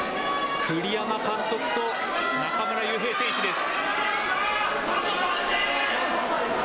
栗山監督と中村悠平選手です。